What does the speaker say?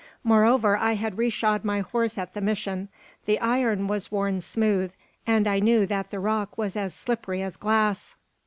Moreover, I had re shod my horse at the mission. The iron was worn smooth; and I knew that the rock was as slippery as glass.